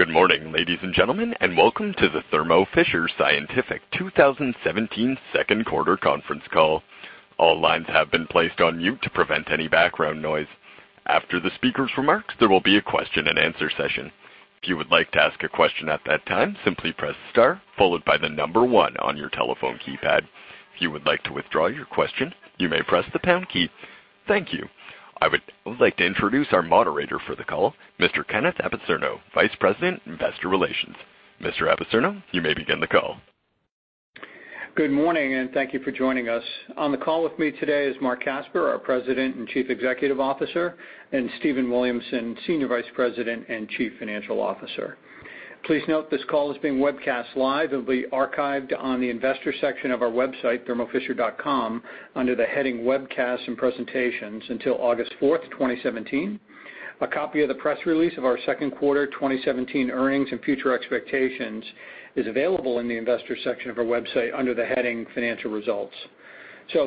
Good morning, ladies and gentlemen, and welcome to the Thermo Fisher Scientific 2017 second quarter conference call. All lines have been placed on mute to prevent any background noise. After the speaker's remarks, there will be a question and answer session. If you would like to ask a question at that time, simply press star followed by 1 on your telephone keypad. If you would like to withdraw your question, you may press the pound key. Thank you. I would like to introduce our moderator for the call, Mr. Kenneth Apicerno, Vice President, Investor Relations. Mr. Apicerno, you may begin the call. Good morning, and thank you for joining us. On the call with me today is Marc Casper, our President and Chief Executive Officer, and Stephen Williamson, Senior Vice President and Chief Financial Officer. Please note this call is being webcast live. It will be archived on the investor section of our website, thermofisher.com, under the heading Webcasts & Presentations until August fourth, 2017. A copy of the press release of our second quarter 2017 earnings and future expectations is available in the investor section of our website under the heading Financial Results.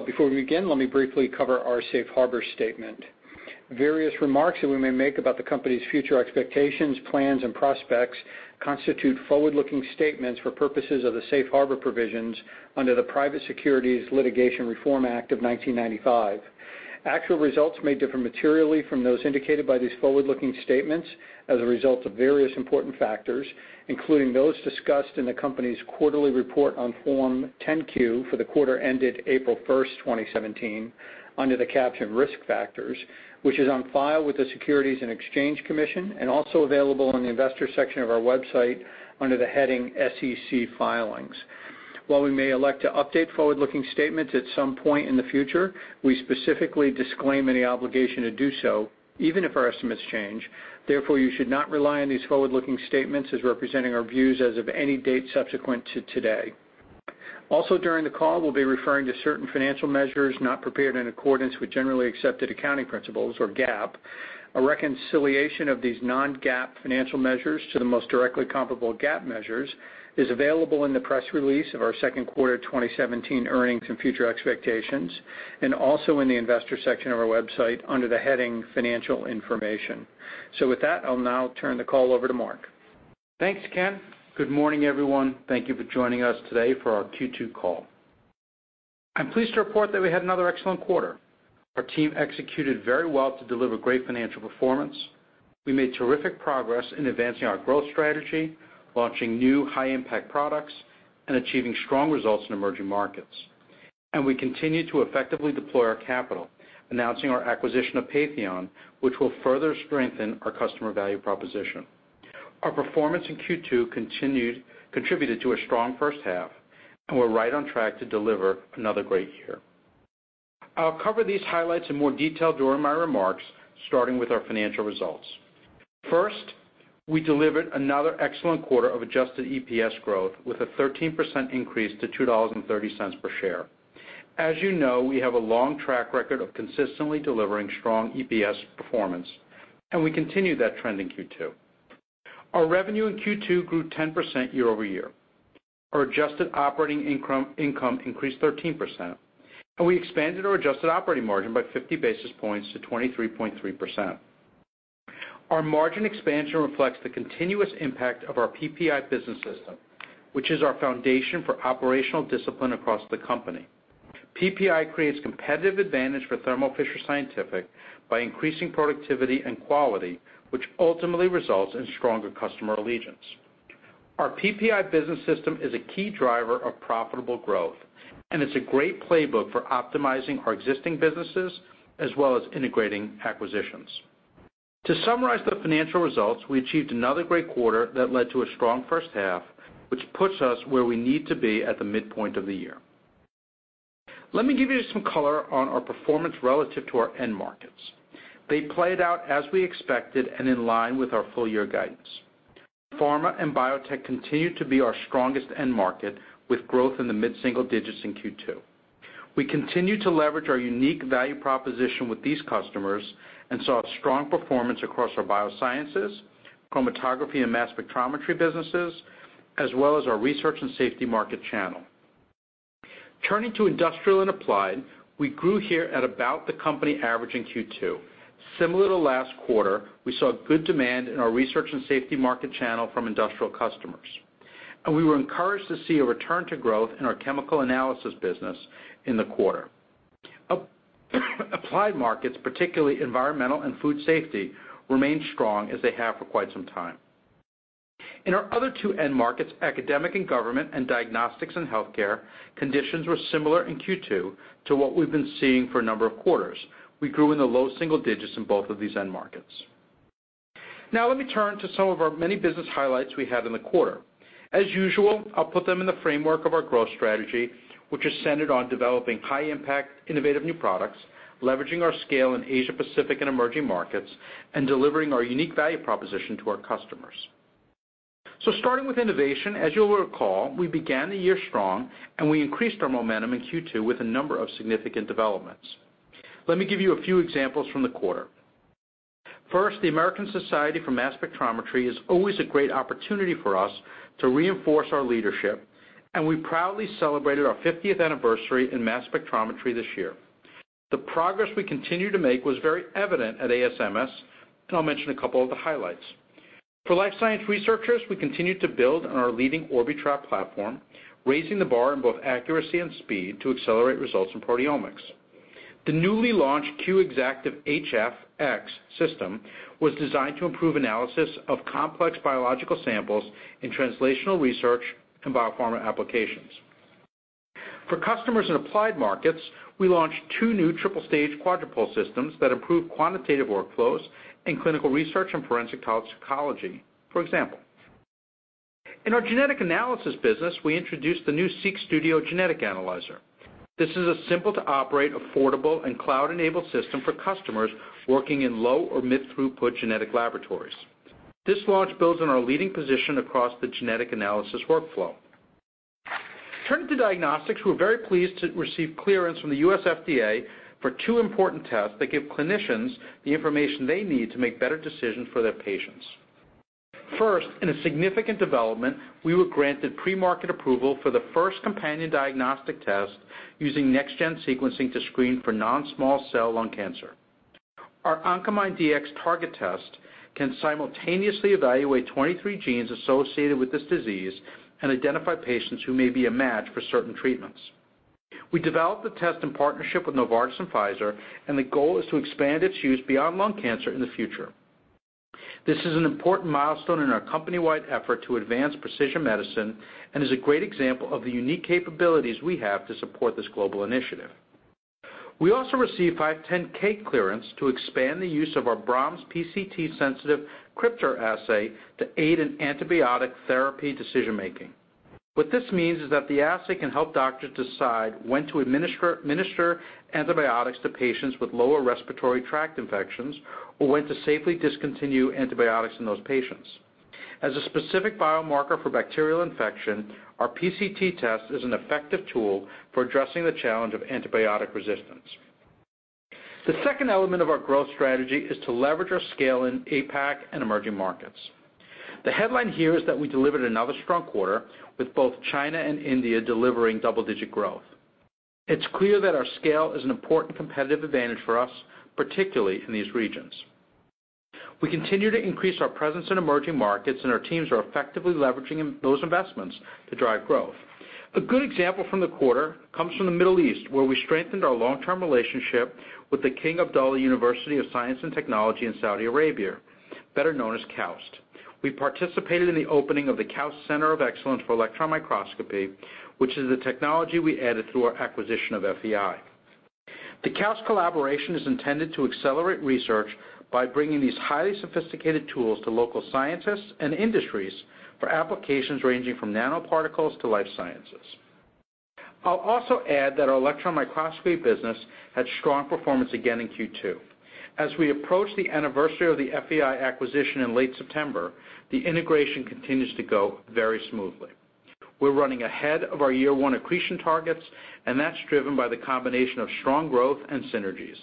Before we begin, let me briefly cover our safe harbor statement. Various remarks that we may make about the company's future expectations, plans, and prospects constitute forward-looking statements for purposes of the safe harbor provisions under the Private Securities Litigation Reform Act of 1995. Actual results may differ materially from those indicated by these forward-looking statements as a result of various important factors, including those discussed in the company's quarterly report on Form 10-Q for the quarter ended April first, 2017, under the caption Risk Factors, which is on file with the Securities and Exchange Commission and also available on the investor section of our website under the heading SEC Filings. While we may elect to update forward-looking statements at some point in the future, we specifically disclaim any obligation to do so, even if our estimates change. Therefore, you should not rely on these forward-looking statements as representing our views as of any date subsequent to today. Also, during the call, we will be referring to certain financial measures not prepared in accordance with generally accepted accounting principles, or GAAP. A reconciliation of these non-GAAP financial measures to the most directly comparable GAAP measures is available in the press release of our second quarter 2017 earnings and future expectations, and also in the investor section of our website under the heading Financial Information. With that, I will now turn the call over to Marc. Thanks, Ken. Good morning, everyone. Thank you for joining us today for our Q2 call. I'm pleased to report that we had another excellent quarter. Our team executed very well to deliver great financial performance. We made terrific progress in advancing our growth strategy, launching new high-impact products, and achieving strong results in emerging markets. We continued to effectively deploy our capital, announcing our acquisition of Patheon, which will further strengthen our customer value proposition. Our performance in Q2 contributed to a strong first half, and we're right on track to deliver another great year. I'll cover these highlights in more detail during my remarks, starting with our financial results. First, we delivered another excellent quarter of adjusted EPS growth with a 13% increase to $2.30 per share. As you know, we have a long track record of consistently delivering strong EPS performance, and we continued that trend in Q2. Our revenue in Q2 grew 10% year-over-year. Our adjusted operating income increased 13%, and we expanded our adjusted operating margin by 50 basis points to 23.3%. Our margin expansion reflects the continuous impact of our PPI business system, which is our foundation for operational discipline across the company. PPI creates competitive advantage for Thermo Fisher Scientific by increasing productivity and quality, which ultimately results in stronger customer allegiance. Our PPI business system is a key driver of profitable growth, and it's a great playbook for optimizing our existing businesses as well as integrating acquisitions. To summarize the financial results, we achieved another great quarter that led to a strong first half, which puts us where we need to be at the midpoint of the year. Let me give you some color on our performance relative to our end markets. They played out as we expected and in line with our full year guidance. Pharma and biotech continued to be our strongest end market, with growth in the mid-single digits in Q2. We continued to leverage our unique value proposition with these customers and saw strong performance across our biosciences, chromatography and mass spectrometry businesses, as well as our research and safety market channel. Turning to industrial and applied, we grew here at about the company average in Q2. Similar to last quarter, we saw good demand in our research and safety market channel from industrial customers, and we were encouraged to see a return to growth in our chemical analysis business in the quarter. Applied markets, particularly environmental and food safety, remained strong as they have for quite some time. In our other two end markets, academic and government, and diagnostics and healthcare, conditions were similar in Q2 to what we've been seeing for a number of quarters. We grew in the low-single digits in both of these end markets. Let me turn to some of our many business highlights we had in the quarter. As usual, I'll put them in the framework of our growth strategy, which is centered on developing high-impact, innovative new products, leveraging our scale in Asia Pacific and emerging markets, and delivering our unique value proposition to our customers. Starting with innovation, as you'll recall, we began the year strong, and we increased our momentum in Q2 with a number of significant developments. Let me give you a few examples from the quarter. The American Society for Mass Spectrometry is always a great opportunity for us to reinforce our leadership, and we proudly celebrated our 50th anniversary in mass spectrometry this year. The progress we continue to make was very evident at ASMS, and I'll mention a couple of the highlights. For life science researchers, we continued to build on our leading Orbitrap platform, raising the bar in both accuracy and speed to accelerate results in proteomics. The newly launched Q Exactive HFx system was designed to improve analysis of complex biological samples in translational research and biopharma applications. For customers in applied markets, we launched two new triple-stage quadrupole systems that improve quantitative workflows in clinical research and forensic toxicology, for example. In our genetic analysis business, we introduced the new SeqStudio genetic analyzer. This is a simple-to-operate, affordable, and cloud-enabled system for customers working in low or mid-throughput genetic laboratories. This launch builds on our leading position across the genetic analysis workflow. Turning to diagnostics, we're very pleased to receive clearance from the U.S. FDA for two important tests that give clinicians the information they need to make better decisions for their patients. In a significant development, we were granted pre-market approval for the first companion diagnostic test using next-gen sequencing to screen for non-small cell lung cancer. Our Oncomine Dx Target Test can simultaneously evaluate 23 genes associated with this disease and identify patients who may be a match for certain treatments. We developed the test in partnership with Novartis and Pfizer, the goal is to expand its use beyond lung cancer in the future. This is an important milestone in our company-wide effort to advance precision medicine and is a great example of the unique capabilities we have to support this global initiative. We also received 510 clearance to expand the use of our B·R·A·H·M·S PCT sensitive KRYPTOR assay to aid in antibiotic therapy decision-making. What this means is that the assay can help doctors decide when to administer antibiotics to patients with lower respiratory tract infections or when to safely discontinue antibiotics in those patients. As a specific biomarker for bacterial infection, our PCT test is an effective tool for addressing the challenge of antibiotic resistance. The second element of our growth strategy is to leverage our scale in APAC and emerging markets. The headline here is that we delivered another strong quarter, with both China and India delivering double-digit growth. It's clear that our scale is an important competitive advantage for us, particularly in these regions. Our teams are effectively leveraging those investments to drive growth. A good example from the quarter comes from the Middle East, where we strengthened our long-term relationship with the King Abdullah University of Science and Technology in Saudi Arabia, better known as KAUST. We participated in the opening of the KAUST Center of Excellence for Electron Microscopy, which is the technology we added through our acquisition of FEI. The KAUST collaboration is intended to accelerate research by bringing these highly sophisticated tools to local scientists and industries for applications ranging from nanoparticles to life sciences. I'll also add that our electron microscopy business had strong performance again in Q2. As we approach the anniversary of the FEI acquisition in late September, the integration continues to go very smoothly. We're running ahead of our year one accretion targets, that's driven by the combination of strong growth and synergies.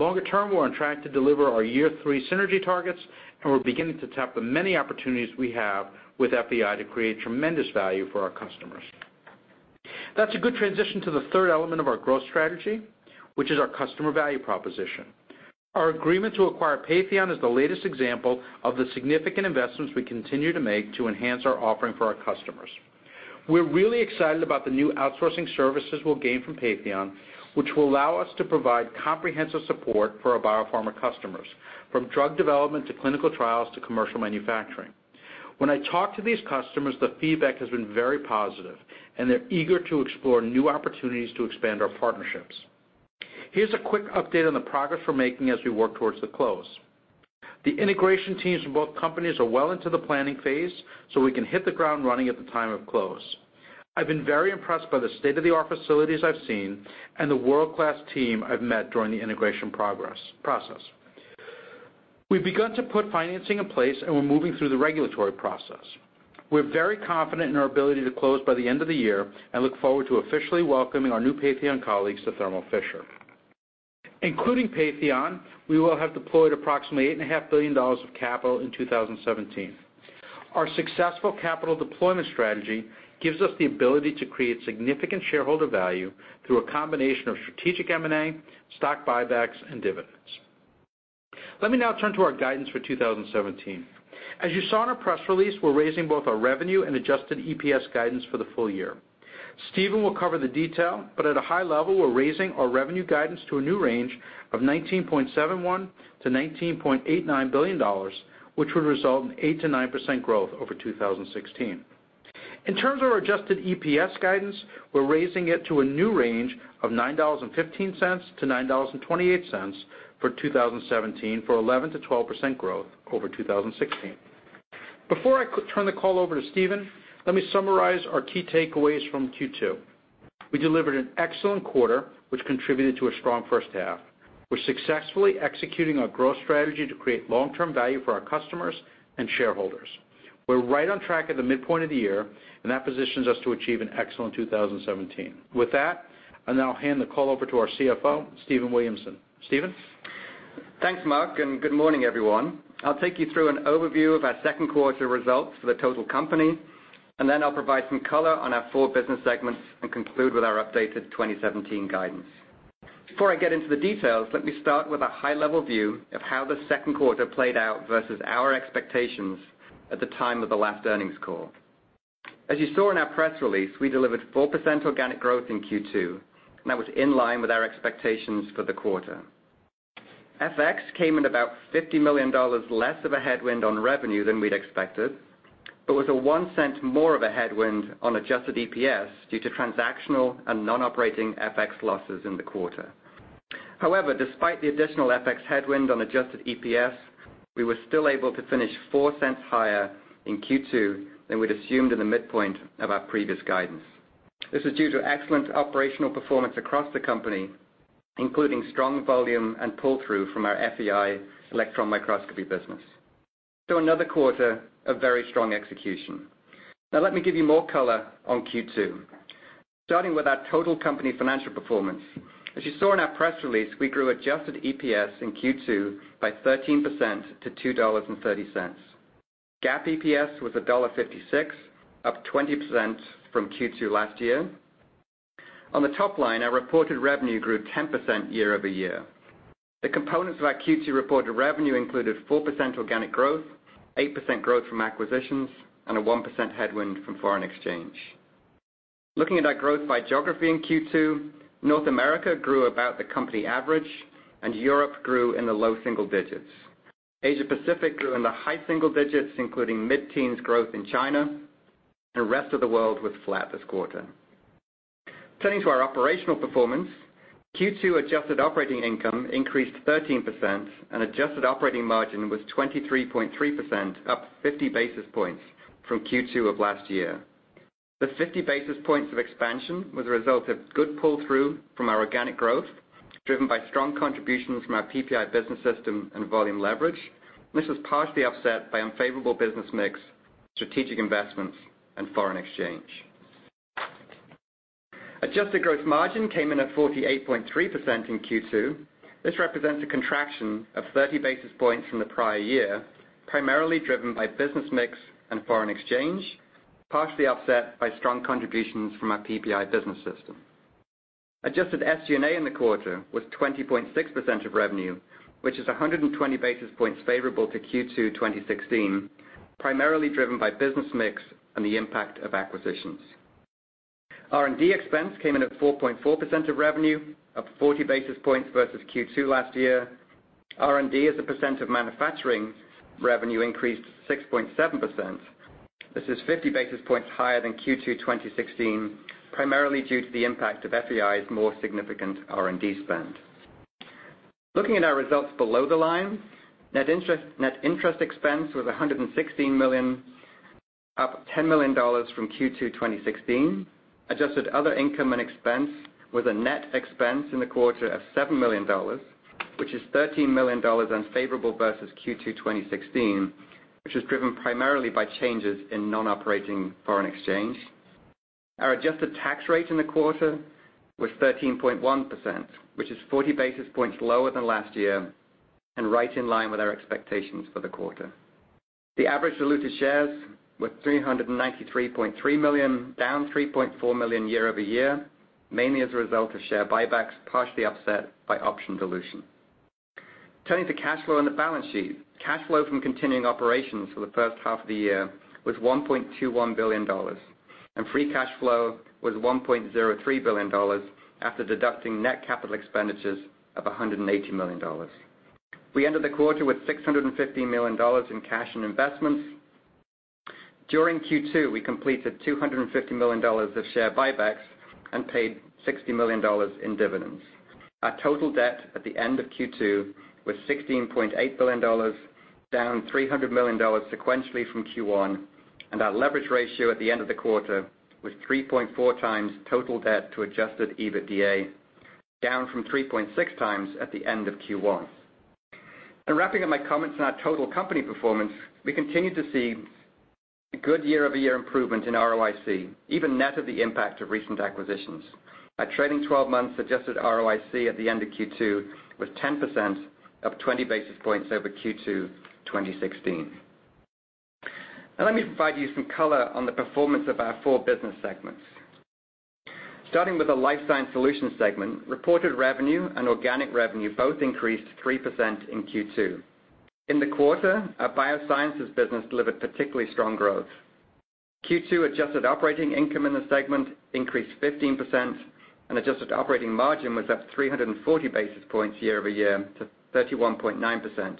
Longer term, we're on track to deliver our year three synergy targets, and we're beginning to tap the many opportunities we have with FEI to create tremendous value for our customers. That's a good transition to the third element of our growth strategy, which is our customer value proposition. Our agreement to acquire Patheon is the latest example of the significant investments we continue to make to enhance our offering for our customers. We're really excited about the new outsourcing services we'll gain from Patheon, which will allow us to provide comprehensive support for our biopharma customers, from drug development to clinical trials to commercial manufacturing. When I talk to these customers, the feedback has been very positive, and they're eager to explore new opportunities to expand our partnerships. Here's a quick update on the progress we're making as we work towards the close. The integration teams from both companies are well into the planning phase, so we can hit the ground running at the time of close. I've been very impressed by the state-of-the-art facilities I've seen and the world-class team I've met during the integration process. We've begun to put financing in place, and we're moving through the regulatory process. We're very confident in our ability to close by the end of the year and look forward to officially welcoming our new Patheon colleagues to Thermo Fisher. Including Patheon, we will have deployed approximately $8.5 billion of capital in 2017. Our successful capital deployment strategy gives us the ability to create significant shareholder value through a combination of strategic M&A, stock buybacks, and dividends. Let me now turn to our guidance for 2017. As you saw in our press release, we're raising both our revenue and adjusted EPS guidance for the full year. Stephen will cover the detail, but at a high level, we're raising our revenue guidance to a new range of $19.71 billion-$19.89 billion, which would result in 8%-9% growth over 2016. In terms of our adjusted EPS guidance, we're raising it to a new range of $9.15-$9.28 for 2017, for 11%-12% growth over 2016. Before I turn the call over to Stephen, let me summarize our key takeaways from Q2. We delivered an excellent quarter, which contributed to a strong first half. We're successfully executing our growth strategy to create long-term value for our customers and shareholders. We're right on track at the midpoint of the year, and that positions us to achieve an excellent 2017. With that, I'll now hand the call over to our CFO, Stephen Williamson. Stephen? Thanks, Marc. Good morning, everyone. I'll take you through an overview of our second quarter results for the total company. I'll provide some color on our four business segments and conclude with our updated 2017 guidance. Before I get into the details, let me start with a high-level view of how the second quarter played out versus our expectations at the time of the last earnings call. As you saw in our press release, we delivered 4% organic growth in Q2. That was in line with our expectations for the quarter. FX came in about $50 million less of a headwind on revenue than we'd expected, but was a $0.01 more of a headwind on adjusted EPS due to transactional and non-operating FX losses in the quarter. Despite the additional FX headwind on adjusted EPS, we were still able to finish $0.04 higher in Q2 than we'd assumed in the midpoint of our previous guidance. This was due to excellent operational performance across the company, including strong volume and pull-through from our FEI electron microscopy business. Another quarter of very strong execution. Let me give you more color on Q2, starting with our total company financial performance. As you saw in our press release, we grew adjusted EPS in Q2 by 13% to $2.30. GAAP EPS was $1.56, up 20% from Q2 last year. On the top line, our reported revenue grew 10% year-over-year. The components of our Q2 reported revenue included 4% organic growth, 8% growth from acquisitions, a 1% headwind from foreign exchange. Looking at our growth by geography in Q2, North America grew about the company average. Europe grew in the low single digits. Asia Pacific grew in the high single digits, including mid-teens growth in China. The rest of the world was flat this quarter. Turning to our operational performance, Q2 adjusted operating income increased 13%. Adjusted operating margin was 23.3%, up 50 basis points from Q2 of last year. The 50 basis points of expansion was a result of good pull-through from our organic growth, driven by strong contributions from our PPI business system and volume leverage. This was partially offset by unfavorable business mix, strategic investments, and foreign exchange. Adjusted gross margin came in at 48.3% in Q2. This represents a contraction of 30 basis points from the prior year, primarily driven by business mix and foreign exchange, partially offset by strong contributions from our PPI business system. Adjusted SG&A in the quarter was 20.6% of revenue, which is 120 basis points favorable to Q2 2016, primarily driven by business mix and the impact of acquisitions. R&D expense came in at 4.4% of revenue, up 40 basis points versus Q2 last year. R&D as a percent of manufacturing revenue increased to 6.7%. This is 50 basis points higher than Q2 2016, primarily due to the impact of FEI's more significant R&D spend. Looking at our results below the line, net interest expense was $116 million, up $10 million from Q2 2016. Adjusted other income and expense was a net expense in the quarter of $7 million, which is $13 million unfavorable versus Q2 2016, which was driven primarily by changes in non-operating foreign exchange. Our adjusted tax rate in the quarter was 13.1%, which is 40 basis points lower than last year and right in line with our expectations for the quarter. The average diluted shares were 393.3 million, down 3.4 million year-over-year, mainly as a result of share buybacks, partially offset by option dilution. Turning to cash flow and the balance sheet. Cash flow from continuing operations for the first half of the year was $1.21 billion. Free cash flow was $1.03 billion after deducting net capital expenditures of $180 million. We ended the quarter with $650 million in cash and investments. During Q2, we completed $250 million of share buybacks and paid $60 million in dividends. Our total debt at the end of Q2 was $16.8 billion, down $300 million sequentially from Q1, and our leverage ratio at the end of the quarter was 3.4 times total debt to adjusted EBITDA, down from 3.6 times at the end of Q1. Wrapping up my comments on our total company performance, we continue to see a good year-over-year improvement in ROIC, even net of the impact of recent acquisitions. Our trailing 12 months suggested ROIC at the end of Q2 was 10%, up 20 basis points over Q2 2016. Now let me provide you some color on the performance of our four business segments. Starting with the Life Sciences Solutions segment, reported revenue and organic revenue both increased 3% in Q2. In the quarter, our biosciences business delivered particularly strong growth. Q2 adjusted operating income in the segment increased 15%, and adjusted operating margin was up 340 basis points year-over-year to 31.9%.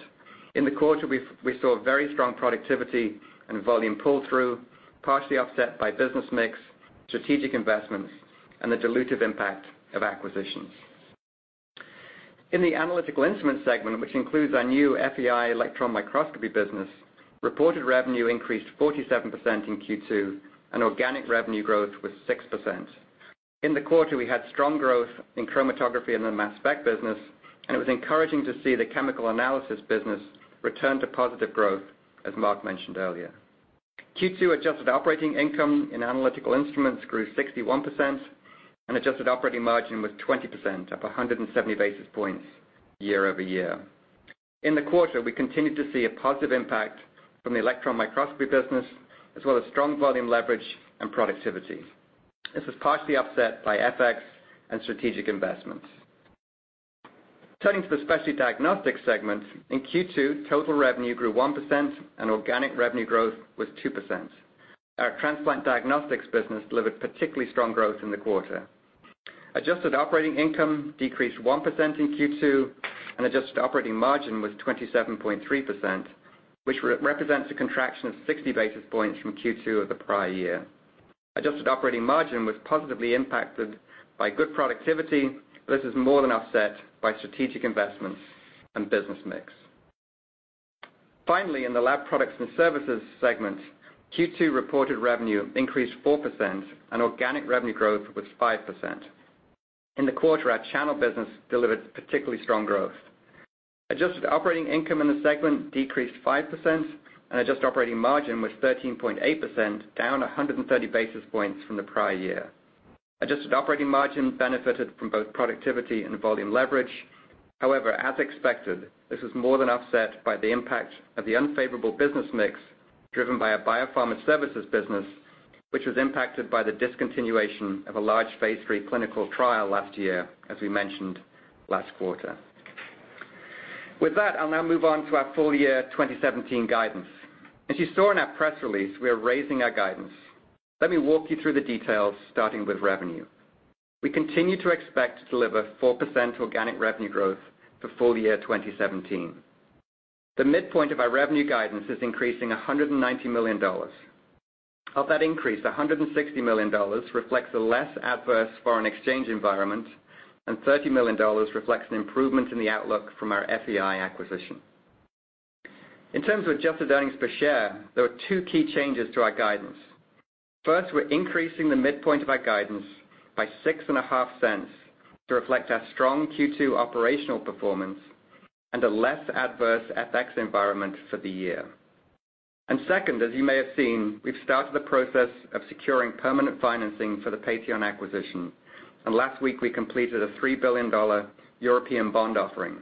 In the quarter, we saw very strong productivity and volume pull-through, partially offset by business mix, strategic investments, and the dilutive impact of acquisitions. In the Analytical Instruments segment, which includes our new FEI electron microscopy business, reported revenue increased 47% in Q2, and organic revenue growth was 6%. In the quarter, we had strong growth in chromatography and the mass spec business, and it was encouraging to see the chemical analysis business return to positive growth, as Marc mentioned earlier. Q2 adjusted operating income in Analytical Instruments grew 61%, and adjusted operating margin was 20%, up 170 basis points year-over-year. In the quarter, we continued to see a positive impact from the electron microscopy business, as well as strong volume leverage and productivity. This was partially offset by FX and strategic investments. Turning to the Specialty Diagnostics segment. In Q2, total revenue grew 1%, and organic revenue growth was 2%. Our transplant diagnostics business delivered particularly strong growth in the quarter. Adjusted operating income decreased 1% in Q2, and adjusted operating margin was 27.3%, which represents a contraction of 60 basis points from Q2 of the prior year. Adjusted operating margin was positively impacted by good productivity. This is more than offset by strategic investments and business mix. Finally, in the lab products and services segment, Q2 reported revenue increased 4%, and organic revenue growth was 5%. In the quarter, our channel business delivered particularly strong growth. Adjusted operating income in the segment decreased 5%, and adjusted operating margin was 13.8%, down 130 basis points from the prior year. Adjusted operating margin benefited from both productivity and volume leverage. As expected, this was more than offset by the impact of the unfavorable business mix, driven by our biopharma services business, which was impacted by the discontinuation of a large phase III clinical trial last year, as we mentioned last quarter. With that, I'll now move on to our full year 2017 guidance. As you saw in our press release, we are raising our guidance. Let me walk you through the details, starting with revenue. We continue to expect to deliver 4% organic revenue growth for full year 2017. The midpoint of our revenue guidance is increasing $190 million. Of that increase, $160 million reflects a less adverse foreign exchange environment, and $30 million reflects an improvement in the outlook from our FEI acquisition. In terms of adjusted earnings per share, there were two key changes to our guidance. First, we're increasing the midpoint of our guidance by $0.065 to reflect our strong Q2 operational performance and a less adverse FX environment for the year. Second, as you may have seen, we've started the process of securing permanent financing for the Patheon acquisition. Last week we completed a $3 billion European bond offering.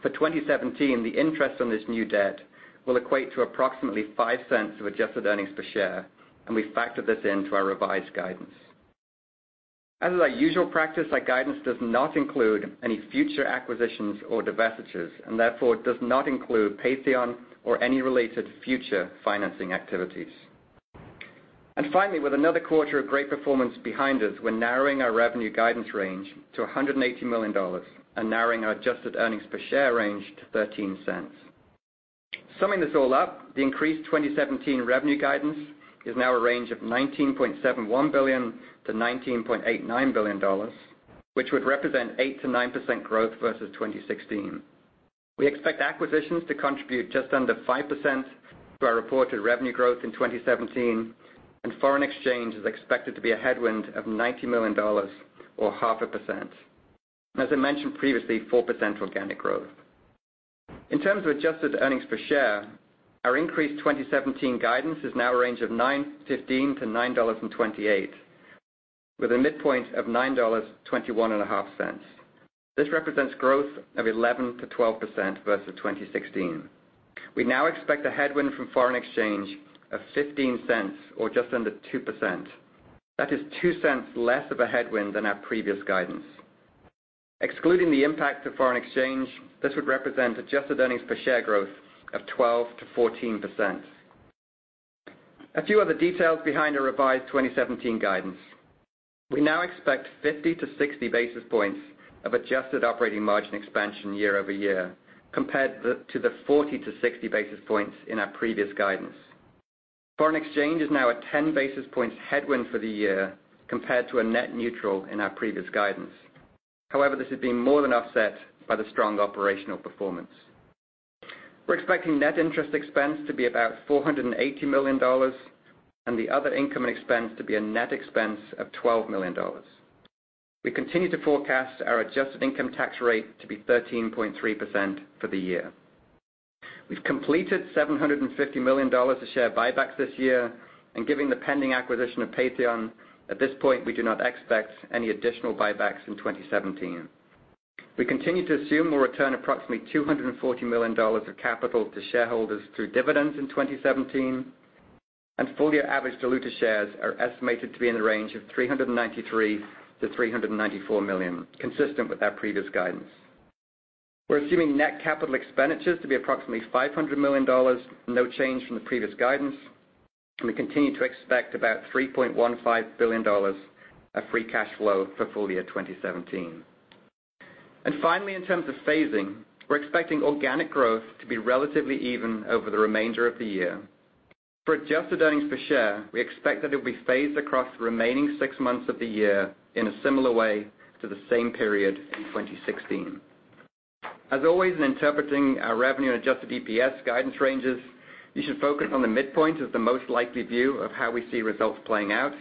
For 2017, the interest on this new debt will equate to approximately $0.05 of adjusted earnings per share, and we factored this into our revised guidance. As is our usual practice, our guidance does not include any future acquisitions or divestitures, and therefore, does not include Patheon or any related future financing activities. Finally, with another quarter of great performance behind us, we're narrowing our revenue guidance range to $180 million and narrowing our adjusted earnings per share range to $0.13. Summing this all up, the increased 2017 revenue guidance is now a range of $19.71 billion-$19.89 billion, which would represent 8%-9% growth versus 2016. We expect acquisitions to contribute just under 5% to our reported revenue growth in 2017, and foreign exchange is expected to be a headwind of $90 million, or half a percent. As I mentioned previously, 4% organic growth. In terms of adjusted earnings per share, our increased 2017 guidance is now a range of $9.15-$9.28, with a midpoint of $9.215. This represents growth of 11%-12% versus 2016. We now expect a headwind from foreign exchange of $0.15 or just under 2%. That is $0.02 less of a headwind than our previous guidance. Excluding the impact of foreign exchange, this would represent adjusted earnings per share growth of 12%-14%. A few other details behind our revised 2017 guidance. We now expect 50-60 basis points of adjusted operating margin expansion year-over-year, compared to the 40-60 basis points in our previous guidance. Foreign exchange is now a 10 basis points headwind for the year, compared to a net neutral in our previous guidance. This has been more than offset by the strong operational performance. We're expecting net interest expense to be about $480 million, and the other income and expense to be a net expense of $12 million. We continue to forecast our adjusted income tax rate to be 13.3% for the year. We've completed $750 million of share buybacks this year. Given the pending acquisition of Patheon, at this point, we do not expect any additional buybacks in 2017. We continue to assume we'll return approximately $240 million of capital to shareholders through dividends in 2017. Full-year average diluted shares are estimated to be in the range of 393 million-394 million, consistent with our previous guidance. We're assuming net capital expenditures to be approximately $500 million, no change from the previous guidance. We continue to expect about $3.15 billion of free cash flow for full year 2017. Finally, in terms of phasing, we're expecting organic growth to be relatively even over the remainder of the year. For adjusted earnings per share, we expect that it will be phased across the remaining six months of the year in a similar way to the same period in 2016. As always, in interpreting our revenue and adjusted EPS guidance ranges, you should focus on the midpoint as the most likely view of how we see results playing out.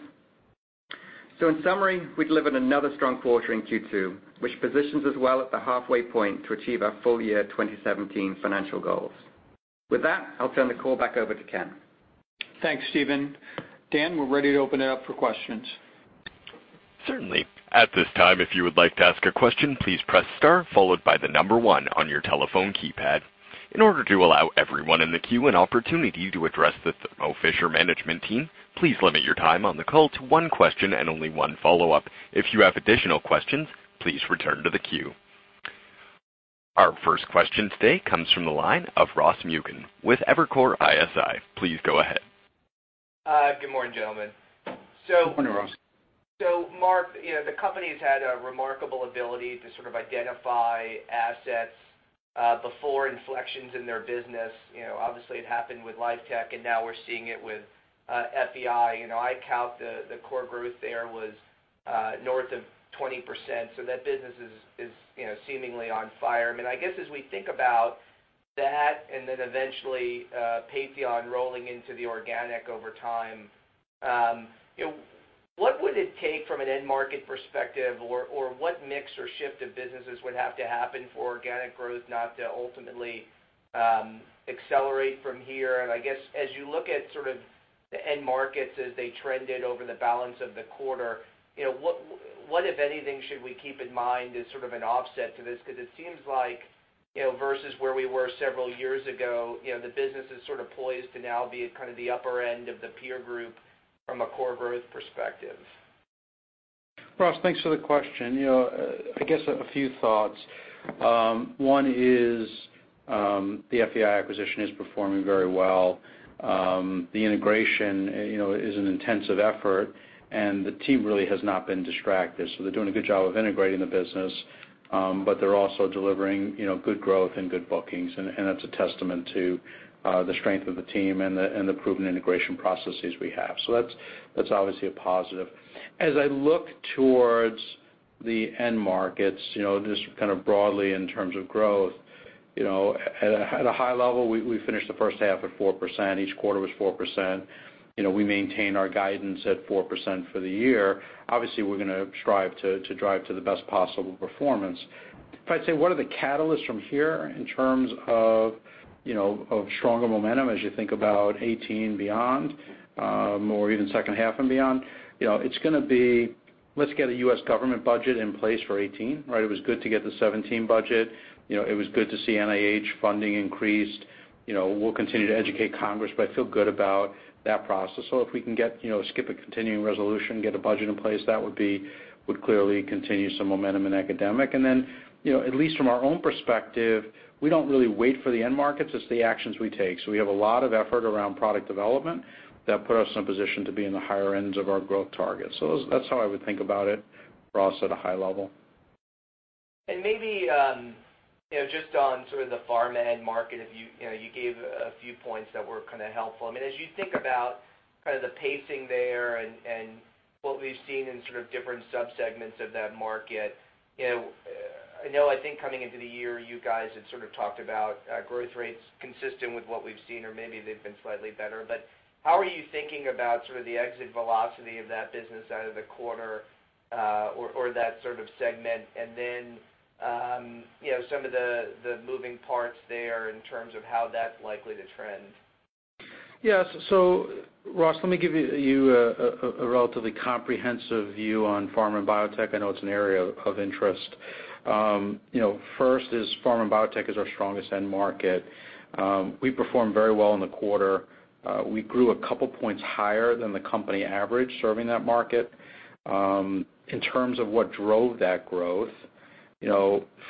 In summary, we delivered another strong quarter in Q2, which positions us well at the halfway point to achieve our full year 2017 financial goals. With that, I'll turn the call back over to Ken. Thanks, Stephen. Dan, we're ready to open it up for questions. Certainly. At this time, if you would like to ask a question, please press star followed by the number one on your telephone keypad. In order to allow everyone in the queue an opportunity to address the Thermo Fisher management team, please limit your time on the call to one question and only one follow-up. If you have additional questions, please return to the queue. Our first question today comes from the line of Ross Muken with Evercore ISI. Please go ahead. Good morning, gentlemen. Good morning, Ross. Marc, the company's had a remarkable ability to sort of identify assets before inflections in their business. Obviously, it happened with Life Tech, and now we're seeing it with FEI. I count the core growth there was north of 20%, so that business is seemingly on fire. I guess as we think about that and then eventually Patheon rolling into the organic over time, what would it take from an end market perspective or what mix or shift of businesses would have to happen for organic growth not to ultimately accelerate from here? And I guess as you look at sort of the end markets as they trended over the balance of the quarter, what if anything should we keep in mind as sort of an offset to this? It seems like, versus where we were several years ago, the business is sort of poised to now be at kind of the upper end of the peer group from a core growth perspective. Ross, thanks for the question. I guess a few thoughts. One is, the FEI acquisition is performing very well. The integration is an intensive effort. The team really has not been distracted. They're doing a good job of integrating the business, but they're also delivering good growth and good bookings, and that's a testament to the strength of the team and the proven integration processes we have. That's obviously a positive. As I look towards the end markets, just kind of broadly in terms of growth, at a high level, we finished the first half at 4%. Each quarter was 4%. We maintain our guidance at 4% for the year. Obviously, we're going to strive to drive to the best possible performance. If I'd say, what are the catalysts from here in terms of stronger momentum as you think about 2018 beyond, or even second half and beyond, it's going to be, let's get a U.S. government budget in place for 2018, right? It was good to get the 2017 budget. It was good to see NIH funding increased. We'll continue to educate Congress, but I feel good about that process. If we can skip a continuing resolution, get a budget in place, that would clearly continue some momentum in academic. Then, at least from our own perspective, we don't really wait for the end markets. It's the actions we take. We have a lot of effort around product development that put us in a position to be in the higher ends of our growth target. That's how I would think about it, Ross, at a high level. Maybe, just on sort of the pharma end market, you gave a few points that were kind of helpful. As you think about kind of the pacing there and what we've seen in sort of different subsegments of that market, I know, I think coming into the year, you guys had sort of talked about growth rates consistent with what we've seen, or maybe they've been slightly better. How are you thinking about sort of the exit velocity of that business out of the quarter, or that sort of segment? Then, some of the moving parts there in terms of how that's likely to trend. Yeah. Ross, let me give you a relatively comprehensive view on pharma and biotech. I know it's an area of interest. First is pharma and biotech is our strongest end market. We performed very well in the quarter. We grew a couple points higher than the company average serving that market. In terms of what drove that growth,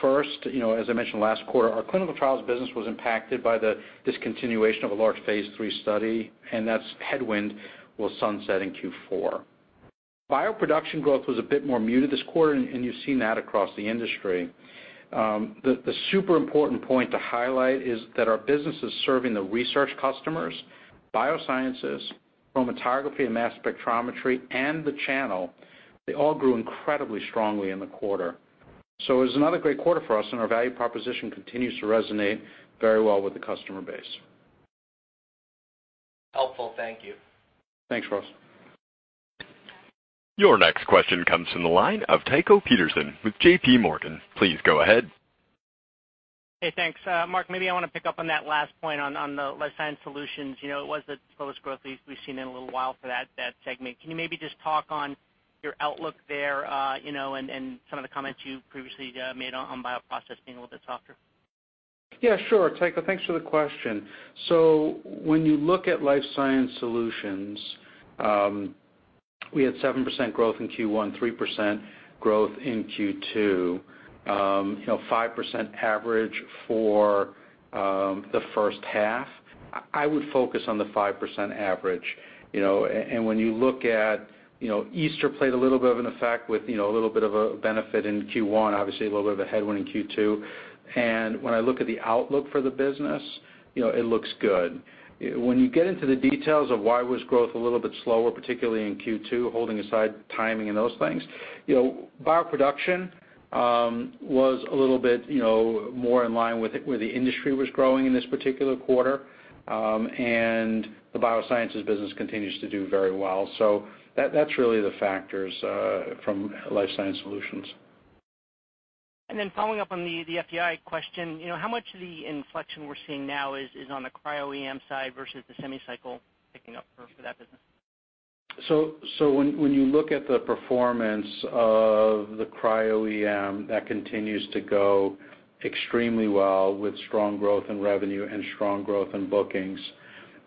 first, as I mentioned last quarter, our clinical trials business was impacted by the discontinuation of a large phase III study. That headwind will sunset in Q4. Bioproduction growth was a bit more muted this quarter. You've seen that across the industry. The super important point to highlight is that our businesses serving the research customers, biosciences, chromatography and mass spectrometry, and the channel, they all grew incredibly strongly in the quarter. It was another great quarter for us, and our value proposition continues to resonate very well with the customer base. Helpful. Thank you. Thanks, Ross. Your next question comes from the line of Tycho Peterson with J.P. Morgan. Please go ahead. Hey, thanks. Marc, maybe I want to pick up on that last point on the Life Sciences Solutions. It was the slowest growth we've seen in a little while for that segment. Can you maybe just talk on your outlook there, and some of the comments you previously made on bioprocess being a little bit softer? Yeah, sure, Tycho. Thanks for the question. When you look at Life Sciences Solutions, we had 7% growth in Q1, 3% growth in Q2, 5% average for the first half. I would focus on the 5% average. When you look at, Easter played a little bit of an effect with a little bit of a benefit in Q1, obviously a little bit of a headwind in Q2. When I look at the outlook for the business, it looks good. When you get into the details of why was growth a little bit slower, particularly in Q2, holding aside timing and those things, bioproduction was a little bit more in line with where the industry was growing in this particular quarter. The biosciences business continues to do very well. That's really the factors from Life Sciences Solutions. Following up on the FEI question, how much of the inflection we're seeing now is on the Cryo-EM side versus the semi cycle picking up for that business? When you look at the performance of the Cryo-EM, that continues to go extremely well with strong growth in revenue and strong growth in bookings.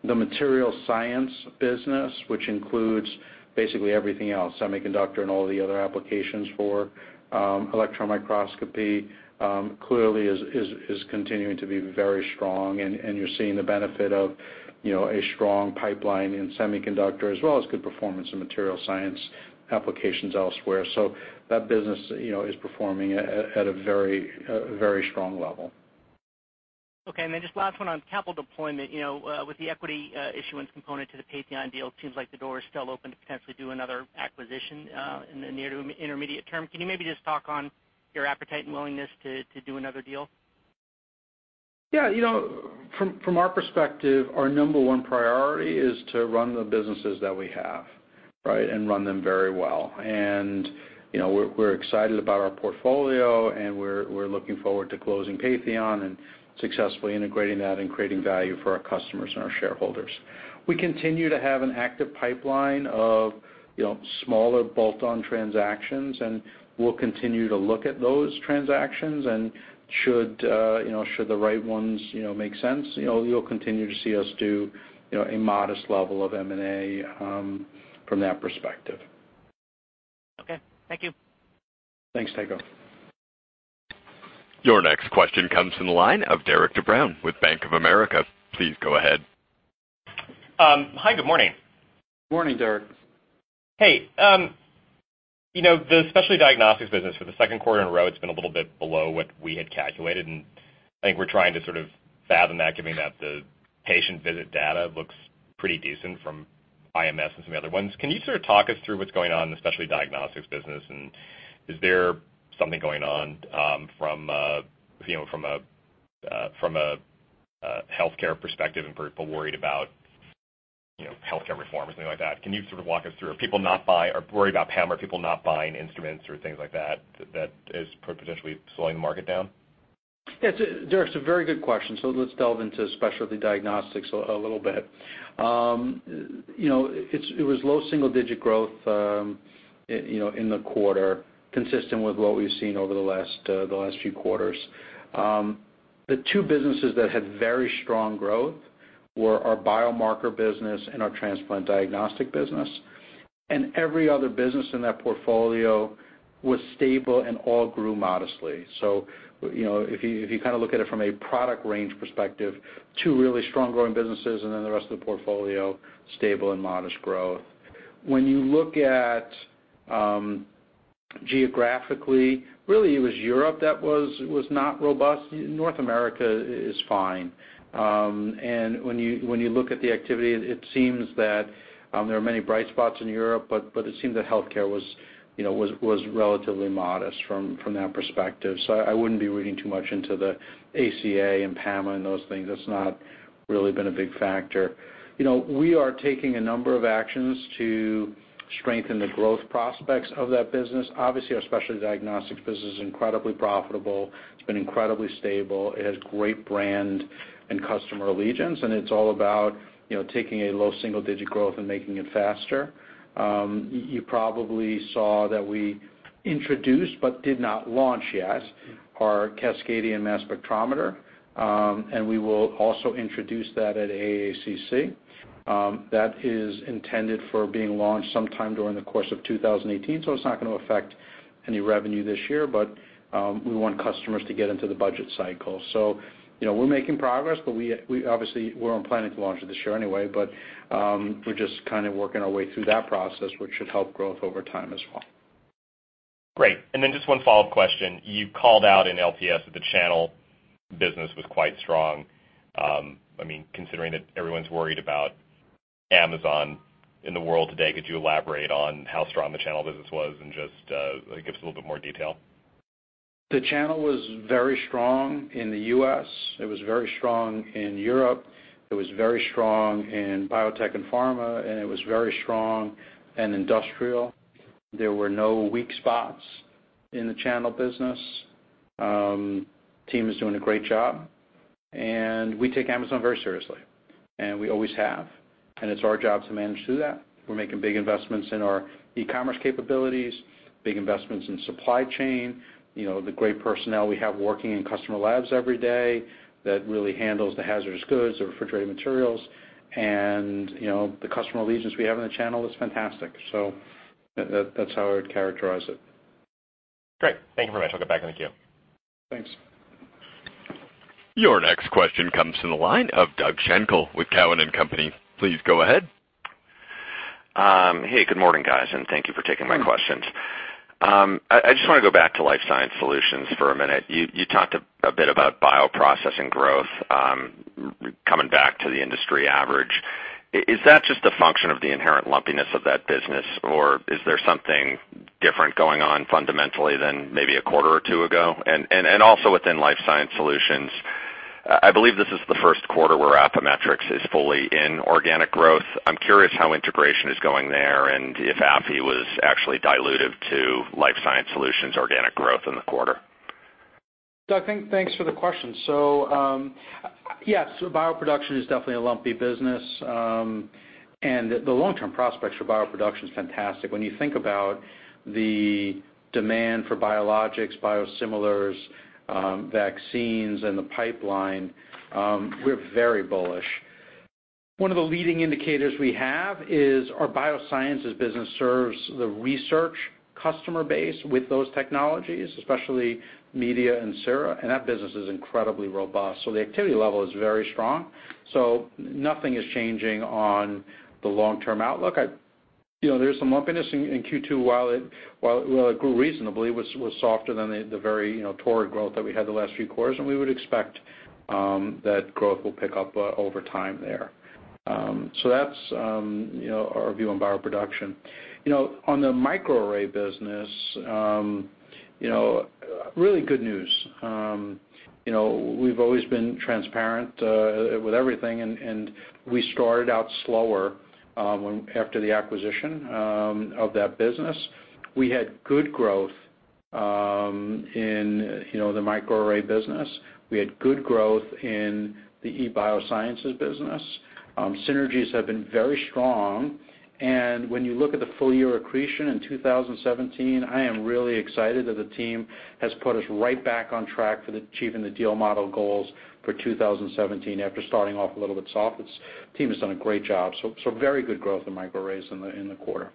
The material science business, which includes basically everything else, semiconductor and all the other applications for electron microscopy, clearly is continuing to be very strong, and you're seeing the benefit of a strong pipeline in semiconductor as well as good performance in material science applications elsewhere. That business is performing at a very strong level. Okay, then just last one on capital deployment. With the equity issuance component to the Patheon deal, it seems like the door is still open to potentially do another acquisition in the near to intermediate term. Can you maybe just talk on your appetite and willingness to do another deal? Yeah. From our perspective, our number one priority is to run the businesses that we have, right? Run them very well. We're excited about our portfolio, and we're looking forward to closing Patheon and successfully integrating that and creating value for our customers and our shareholders. We continue to have an active pipeline of smaller bolt-on transactions, and we'll continue to look at those transactions, and should the right ones make sense, you'll continue to see us do a modest level of M&A from that perspective. Okay, thank you. Thanks, Tycho. Your next question comes from the line of Derik De Bruin with Bank of America. Please go ahead. Hi, good morning. Morning, Derik. Hey. The specialty diagnostics business for the second quarter in a row, it's been a little bit below what we had calculated, and I think we're trying to sort of fathom that, given that the patient visit data looks pretty decent from IMS and some of the other ones. Can you sort of talk us through what's going on in the specialty diagnostics business? Is there something going on from a healthcare perspective and people worried about healthcare reform or something like that? Can you sort of walk us through? Are people not buying or worried about PAMA? Are people not buying instruments or things like that is potentially slowing the market down? Yeah, Derik, it's a very good question. Let's delve into specialty diagnostics a little bit. It was low single-digit growth in the quarter, consistent with what we've seen over the last few quarters. The two businesses that had very strong growth were our biomarker business and our transplant diagnostic business, and every other business in that portfolio was stable and all grew modestly. If you kind of look at it from a product range perspective, two really strong growing businesses, and then the rest of the portfolio, stable and modest growth. When you look at geographically, really, it was Europe that was not robust. North America is fine. When you look at the activity, it seems that there are many bright spots in Europe, but it seemed that healthcare was relatively modest from that perspective. I wouldn't be reading too much into the ACA and PAMA and those things. That's not really been a big factor. We are taking a number of actions to strengthen the growth prospects of that business. Obviously, our specialty diagnostics business is incredibly profitable. It's been incredibly stable. It has great brand and customer allegiance, and it's all about taking a low single-digit growth and making it faster. You probably saw that we introduced, but did not launch yet, our Cascadion mass spectrometer, and we will also introduce that at AACC. That is intended for being launched sometime during the course of 2018, it's not going to affect any revenue this year, we want customers to get into the budget cycle. We're making progress, we obviously weren't planning to launch it this year anyway. We're just kind of working our way through that process, which should help growth over time as well. Great. Just one follow-up question. You called out in LPS that the channel business was quite strong. Considering that everyone's worried about Amazon in the world today, could you elaborate on how strong the channel business was and just give us a little bit more detail? The channel was very strong in the U.S., it was very strong in Europe, it was very strong in biotech and pharma, and it was very strong in industrial. There were no weak spots in the channel business. Team is doing a great job, and we take Amazon very seriously, and we always have, and it's our job to manage through that. We're making big investments in our e-commerce capabilities, big investments in supply chain, the great personnel we have working in customer labs every day that really handles the hazardous goods, the refrigerated materials, and the customer allegiance we have in the channel is fantastic. That's how I would characterize it. Great. Thank you very much. I'll get back in the queue. Thanks. Your next question comes from the line of Doug Schenkel with Cowen and Company. Please go ahead. Hey, good morning, guys, thank you for taking my questions. I just want to go back to Life Sciences Solutions for a minute. You talked a bit about bioprocessing growth coming back to the industry average. Is that just a function of the inherent lumpiness of that business, or is there something different going on fundamentally than maybe a quarter or two ago? Also within Life Sciences Solutions, I believe this is the first quarter where Affymetrix is fully in organic growth. I'm curious how integration is going there and if Affymetrix was actually dilutive to Life Sciences Solutions organic growth in the quarter. Doug, thanks for the question. Yes, bioproduction is definitely a lumpy business. The long-term prospects for bioproduction is fantastic. When you think about the demand for biologics, biosimilars, vaccines, and the pipeline, we're very bullish. One of the leading indicators we have is our biosciences business serves the research customer base with those technologies, especially media and Sera, and that business is incredibly robust. The activity level is very strong, so nothing is changing on the long-term outlook. There's some lumpiness in Q2. While it grew reasonably, it was softer than the very torrid growth that we had the last few quarters, and we would expect that growth will pick up over time there. That's our view on bioproduction. On the microarray business, really good news. We've always been transparent with everything, and we started out slower after the acquisition of that business. We had good growth in the microarray business. We had good growth in the eBioscience business. Synergies have been very strong. When you look at the full-year accretion in 2017, I am really excited that the team has put us right back on track for achieving the deal model goals for 2017 after starting off a little bit soft. The team has done a great job. Very good growth in microarrays in the quarter.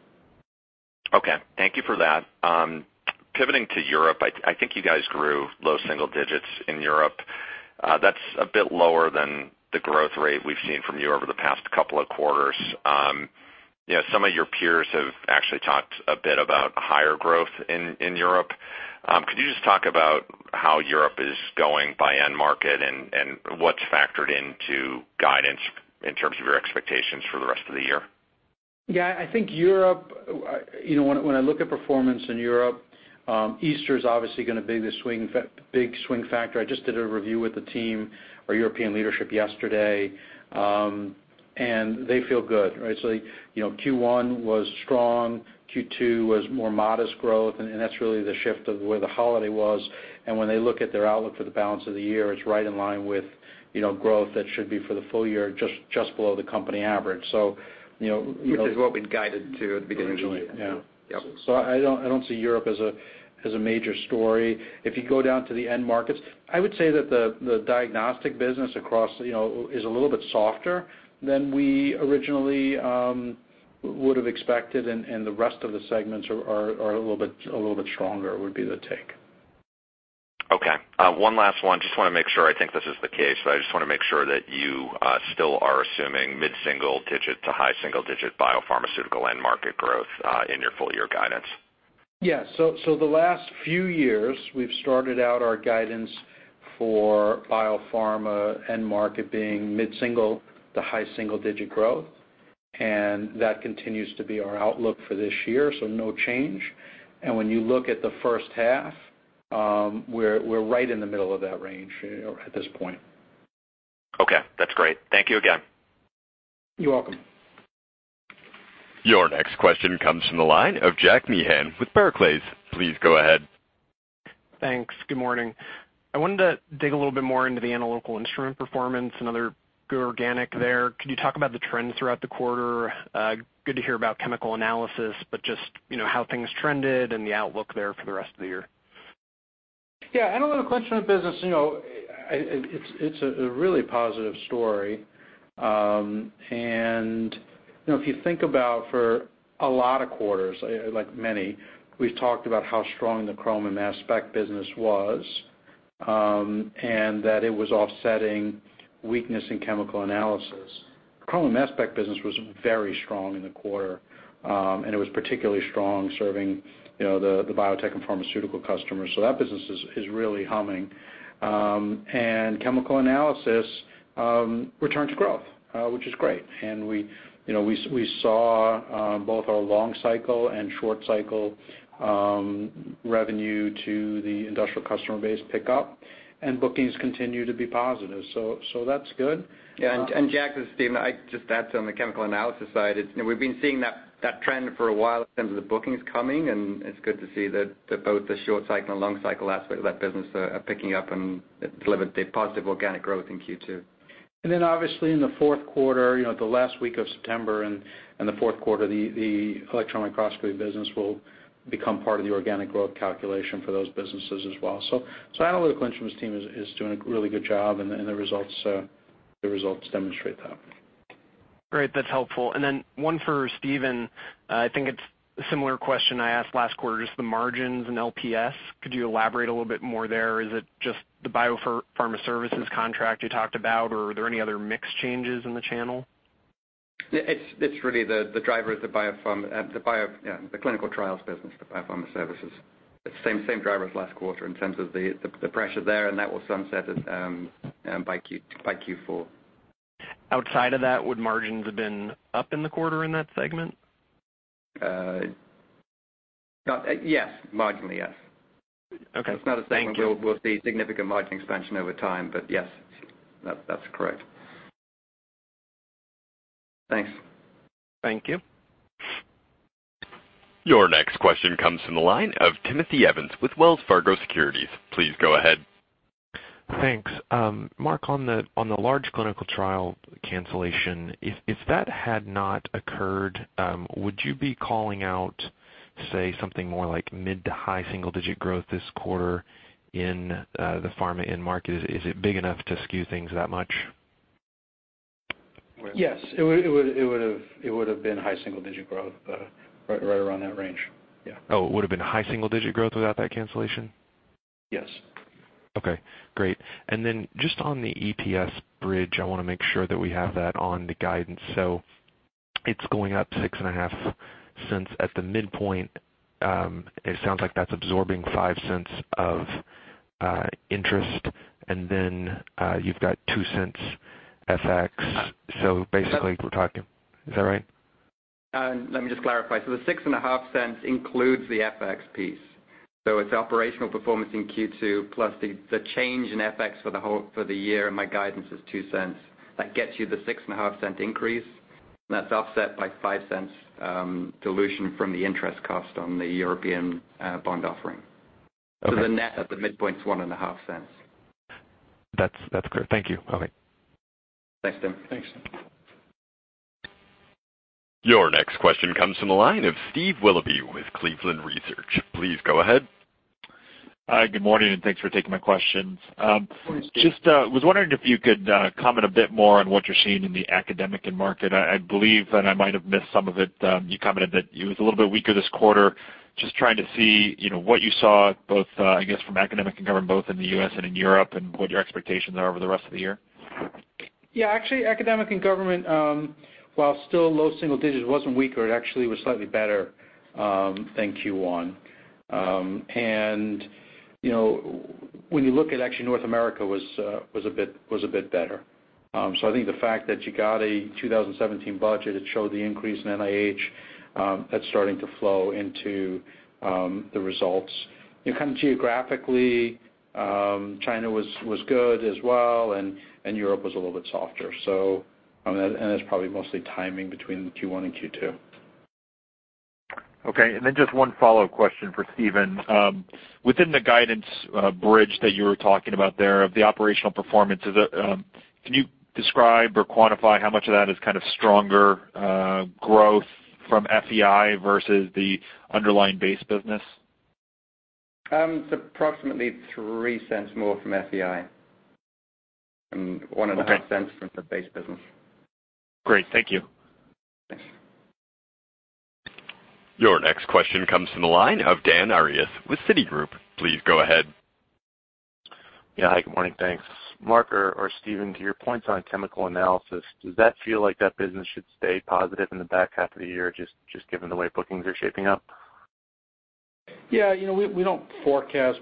Okay. Thank you for that. Pivoting to Europe, I think you guys grew low single digits in Europe. That's a bit lower than the growth rate we've seen from you over the past couple of quarters. Some of your peers have actually talked a bit about higher growth in Europe. Could you just talk about how Europe is going by end market and what's factored into guidance in terms of your expectations for the rest of the year? I think Europe, when I look at performance in Europe, Easter is obviously going to be the big swing factor. I just did a review with the team, our European leadership yesterday, and they feel good. Q1 was strong, Q2 was more modest growth, and that's really the shift of where the holiday was. When they look at their outlook for the balance of the year, it's right in line with growth that should be for the full year, just below the company average. Which is what we'd guided to at the beginning of the year. Originally, yeah. Yep. I don't see Europe as a major story. If you go down to the end markets, I would say that the diagnostic business across is a little bit softer than we originally would've expected, and the rest of the segments are a little bit stronger, would be the take. Okay. One last one. I think this is the case, but I just want to make sure that you still are assuming mid-single digit to high single digit biopharmaceutical end market growth in your full-year guidance. Yeah. The last few years, we've started out our guidance for biopharma end market being mid-single to high single digit growth. That continues to be our outlook for this year. No change. When you look at the first half, we're right in the middle of that range at this point. Okay, that's great. Thank you again. You're welcome. Your next question comes from the line of Jack Meehan with Barclays. Please go ahead. Thanks. Good morning. I wanted to dig a little bit more into the Analytical Instruments performance, another good organic there. Could you talk about the trends throughout the quarter? Good to hear about chemical analysis, just how things trended and the outlook there for the rest of the year. Analytical Instruments business, it's a really positive story. If you think about for a lot of quarters, like many, we've talked about how strong the chrome and mass spec business was, and that it was offsetting weakness in chemical analysis. The chrome and mass spec business was very strong in the quarter, and it was particularly strong serving the biotech and pharmaceutical customers. That business is really humming. Chemical analysis returned to growth, which is great. We saw both our long cycle and short cycle revenue to the industrial customer base pick up, and bookings continue to be positive. That's good. Jack, this is Stephen. I just to add on the chemical analysis side, we've been seeing that trend for a while in terms of the bookings coming, it's good to see that both the short cycle and long cycle aspects of that business are picking up and delivered a positive organic growth in Q2. Obviously in the fourth quarter, the last week of September and the fourth quarter, the electron microscopy business will become part of the organic growth calculation for those businesses as well. Analytical Instruments team is doing a really good job, and the results demonstrate that. Great. That's helpful. One for Stephen. I think it's a similar question I asked last quarter, just the margins and LPS. Could you elaborate a little bit more there? Is it just the biopharma services contract you talked about, or are there any other mix changes in the channel? It's really the driver of the clinical trials business, the biopharma services. It's same driver as last quarter in terms of the pressure there. That will sunset it by Q4. Outside of that, would margins have been up in the quarter in that segment? Yes. Marginally, yes. Okay. Thank you. It's not as if we'll see significant margin expansion over time, but yes, that's correct. Thanks. Thank you. Your next question comes from the line of Tim Evans with Wells Fargo Securities. Please go ahead. Thanks. Marc, on the large clinical trial cancellation, if that had not occurred, would you be calling out, say something more like mid to high single digit growth this quarter in the pharma end market? Is it big enough to skew things that much? Yes. It would've been high single digit growth, right around that range. Yeah. Oh, it would've been high single digit growth without that cancellation? Yes. Okay, great. Then just on the EPS bridge, I want to make sure that we have that on the guidance. It's going up $0.065 at the midpoint. It sounds like that's absorbing $0.05 of interest, then, you've got $0.02 FX. Basically we're talking Is that right? Let me just clarify. The $0.065 includes the FX piece. It's operational performance in Q2 plus the change in FX for the year, and my guidance is $0.02. That gets you the $0.065 increase, and that's offset by $0.05 dilution from the interest cost on the European bond offering. Okay. The net at the midpoint is $0.015. That's clear. Thank you. All right. Thanks, Tim. Thanks. Your next question comes from the line of Steve Willoughby with Cleveland Research. Please go ahead. Hi, good morning, thanks for taking my questions. Morning, Steve. Just was wondering if you could comment a bit more on what you're seeing in the academic end market. I believe, and I might have missed some of it, you commented that it was a little bit weaker this quarter. Just trying to see what you saw both, I guess from academic and government, both in the U.S. and in Europe, and what your expectations are over the rest of the year. Yeah. Actually, academic and government, while still low single digits, wasn't weaker. It actually was slightly better than Q1. When you look at actually North America was a bit better. I think the fact that you got a 2017 budget, it showed the increase in NIH, that's starting to flow into the results. Kind of geographically, China was good as well and Europe was a little bit softer. It's probably mostly timing between Q1 and Q2. Okay, just one follow-up question for Stephen. Within the guidance bridge that you were talking about there of the operational performance, can you describe or quantify how much of that is kind of stronger growth from FEI versus the underlying base business? It's approximately $0.03 more from FEI and $0.015. Okay From the base business. Great. Thank you. Thanks. Your next question comes from the line of Dan Arias with Citigroup. Please go ahead. Yeah, hi. Good morning. Thanks. Marc or Stephen, to your points on chemical analysis, does that feel like that business should stay positive in the back half of the year, just given the way bookings are shaping up? Yeah, we don't forecast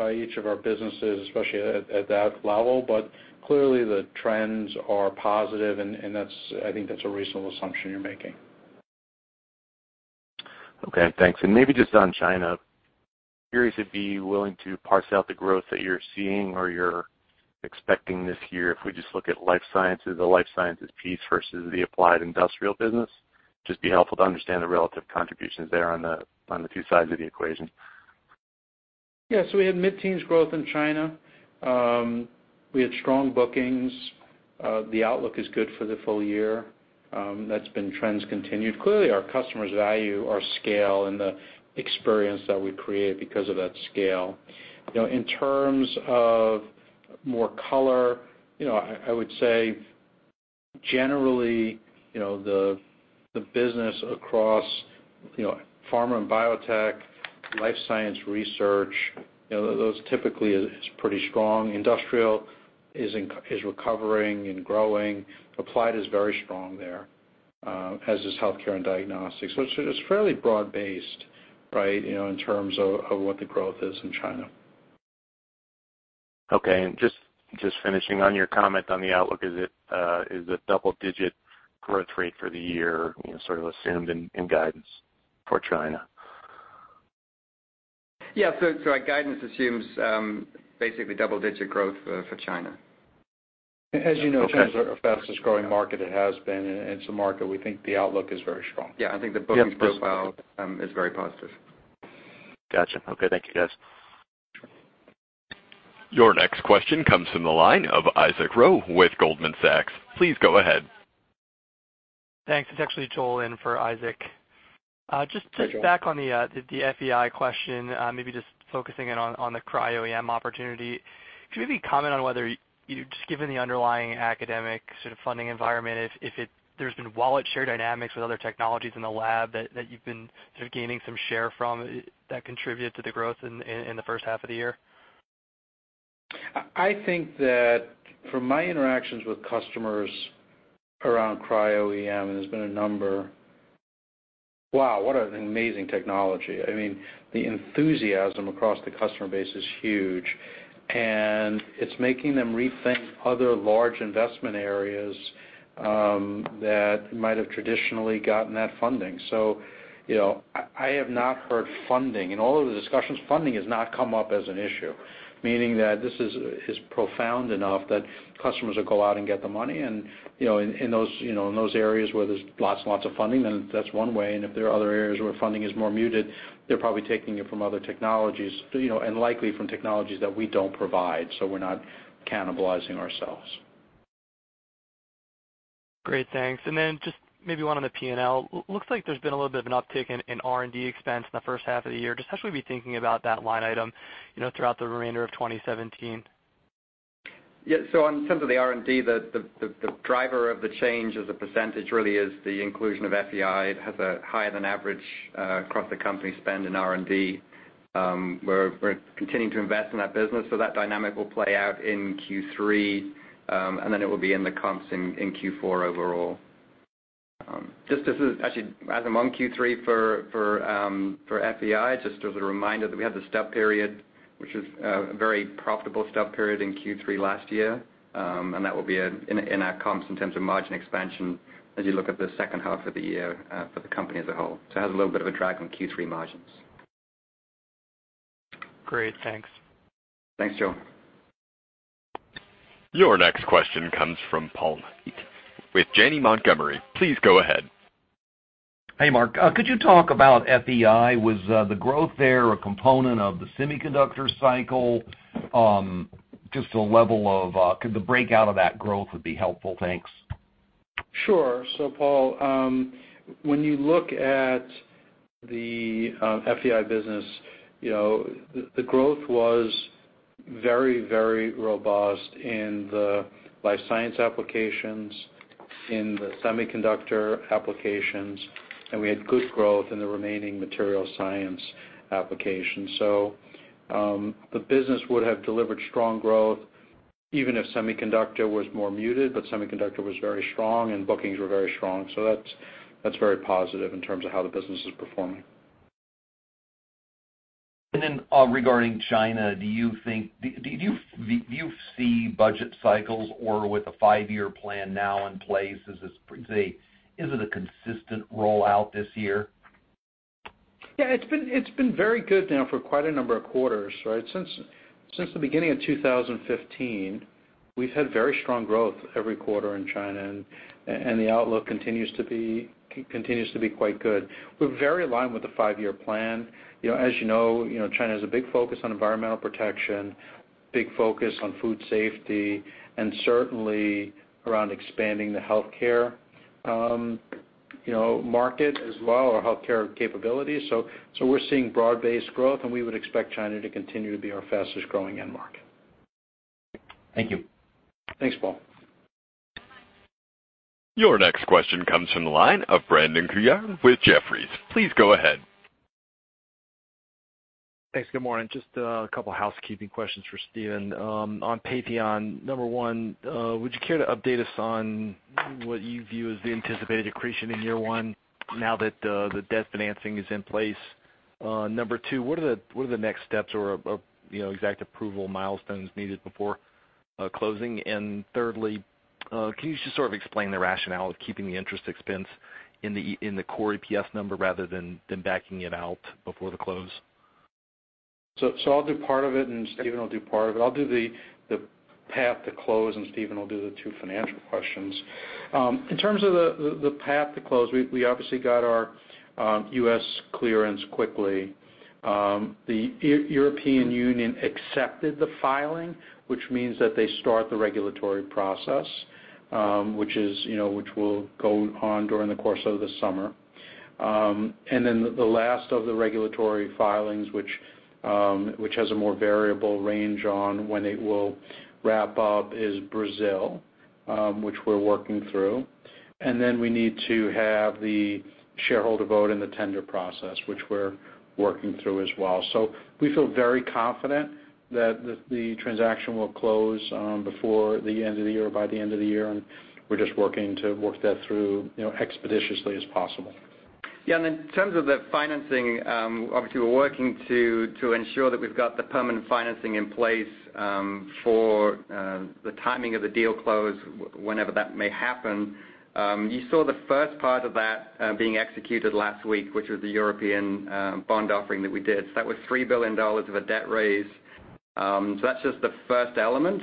by each of our businesses, especially at that level, but clearly the trends are positive and I think that's a reasonable assumption you're making. Okay, thanks. Maybe just on China, curious if you'd be willing to parse out the growth that you're seeing or you're expecting this year if we just look at Life Sciences, the Life Sciences piece versus the applied industrial business. Just be helpful to understand the relative contributions there on the two sides of the equation. Yeah. We had mid-teens growth in China. We had strong bookings. The outlook is good for the full year. That's been trends continued. Clearly our customers value our scale and the experience that we create because of that scale. In terms of more color, I would say generally, the business across pharma and biotech, life science research, those typically is pretty strong. Industrial is recovering and growing. Applied is very strong there, as is healthcare and diagnostics, which it is fairly broad-based in terms of what the growth is in China. Okay, just finishing on your comment on the outlook, is the double-digit growth rate for the year sort of assumed in guidance for China? Yeah. Our guidance assumes basically double-digit growth for China. As you know, China's our fastest growing market. It has been, and it's a market we think the outlook is very strong. Yeah, I think the bookings profile is very positive. Gotcha. Okay. Thank you, guys. Your next question comes from the line of Isaac Ro with Goldman Sachs. Please go ahead. Thanks. It's actually Joel in for Isaac. Hi, Joel. Touch back on the FEI question, maybe just focusing in on the Cryo-EM opportunity. Could you maybe comment on whether, just given the underlying academic sort of funding environment, if there's been wallet share dynamics with other technologies in the lab that you've been sort of gaining some share from that contributed to the growth in the first half of the year? I think that from my interactions with customers around Cryo-EM, and there's been a number, wow, what an amazing technology. The enthusiasm across the customer base is huge, and it's making them rethink other large investment areas that might have traditionally gotten that funding. I have not heard funding. In all of the discussions, funding has not come up as an issue, meaning that this is profound enough that customers will go out and get the money. In those areas where there's lots and lots of funding, then that's one way. If there are other areas where funding is more muted, they're probably taking it from other technologies, and likely from technologies that we don't provide, so we're not cannibalizing ourselves. Great, thanks. Just maybe one on the P&L. Looks like there's been a little bit of an uptick in R&D expense in the first half of the year. Just how should we be thinking about that line item throughout the remainder of 2017? In terms of the R&D, the driver of the change as a percentage really is the inclusion of FEI. It has a higher than average across-the-company spend in R&D. We're continuing to invest in that business, that dynamic will play out in Q3, and then it will be in the comps in Q4 overall. Actually, as among Q3 for FEI, just as a reminder that we had the stub period, which was a very profitable stub period in Q3 last year, and that will be in our comps in terms of margin expansion as you look at the second half of the year for the company as a whole. It has a little bit of a drag on Q3 margins. Great, thanks. Thanks, Joel. Your next question comes from Paul Meek with Janney Montgomery. Please go ahead. Hey, Marc. Could you talk about FEI? Was the growth there a component of the semiconductor cycle? Could the breakout of that growth be helpful? Thanks. Sure. Paul, when you look at the FEI business, the growth was very, very robust in the life science applications, in the semiconductor applications, and we had good growth in the remaining material science applications. The business would have delivered strong growth even if semiconductor was more muted, semiconductor was very strong and bookings were very strong. That's very positive in terms of how the business is performing. Regarding China, do you see budget cycles or with a five-year plan now in place, is it a consistent rollout this year? Yeah, it's been very good now for quite a number of quarters, right? Since the beginning of 2015, we've had very strong growth every quarter in China, and the outlook continues to be quite good. We're very aligned with the five-year plan. As you know, China has a big focus on environmental protection, big focus on food safety, and certainly around expanding the healthcare market as well, or healthcare capabilities. We're seeing broad-based growth, and we would expect China to continue to be our fastest-growing end market. Thank you. Thanks, Paul. Your next question comes from the line of Brandon Couillard with Jefferies. Please go ahead. Thanks. Good morning. Just two housekeeping questions for Stephen. On Patheon, number 1, would you care to update us on what you view as the anticipated accretion in year 1 now that the debt financing is in place? Number 2, what are the next steps or exact approval milestones needed before closing? Thirdly, can you just sort of explain the rationale of keeping the interest expense in the core EPS number rather than backing it out before the close? I'll do part of it, and Stephen will do part of it. I'll do the path to close, and Stephen will do the two financial questions. In terms of the path to close, we obviously got our U.S. clearance quickly. The European Union accepted the filing, which means that they start the regulatory process, which will go on during the course of the summer. The last of the regulatory filings, which has a more variable range on when it will wrap up, is Brazil, which we're working through. We need to have the shareholder vote and the tender process, which we're working through as well. We feel very confident that the transaction will close before the end of the year or by the end of the year, and we're just working to work that through expeditiously as possible. Yeah. In terms of the financing, obviously, we're working to ensure that we've got the permanent financing in place for the timing of the deal close, whenever that may happen. You saw the first part of that being executed last week, which was the European bond offering that we did. That was $3 billion of a debt raise. That's just the first element.